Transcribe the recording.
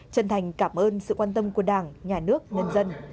chân thành cảm ơn sự quan tâm của đảng nhà nước nhân dân